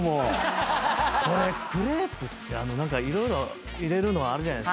これクレープって色々入れるのあるじゃないですか。